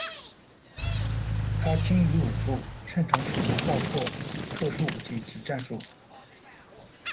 他精于武术，擅长使用爆破、特殊武器及战术。